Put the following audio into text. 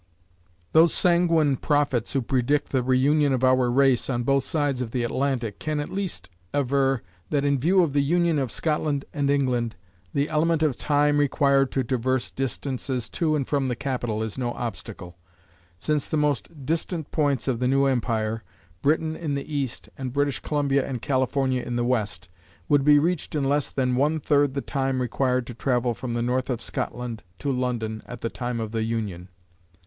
Those sanguine prophets who predict the reunion of our race on both sides of the Atlantic can at least aver that in view of the union of Scotland and England, the element of time required to traverse distances to and from the capital is no obstacle, since the most distant points of the new empire, Britain in the east and British Columbia and California in the west, would be reached in less than one third the time required to travel from the north of Scotland to London at the time of the union.